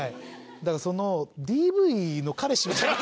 だからＤＶの彼氏みたい。